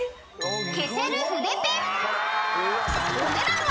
［お値段は？］